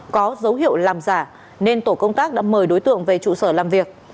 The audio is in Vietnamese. có dấu hiệu làm giả nên tổ công tác đã mời đối tượng về trụ sở làm việc